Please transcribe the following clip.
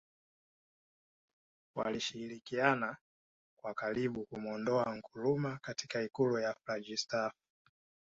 Walishirikiana kwa karibu kumuondoa Nkrumah katika ikulu ya Flagstaff